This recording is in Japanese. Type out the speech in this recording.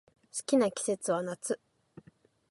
好きな季節は夏